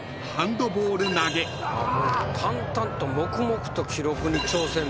淡々と黙々と記録に挑戦なんや。